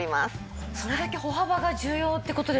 それだけ歩幅が重要って事ですよね。